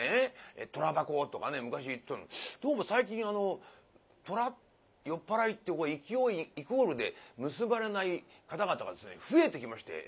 「虎箱」とかね昔言ってたのにどうも最近あの虎酔っ払いってイコールで結ばれない方々がですね増えてきまして。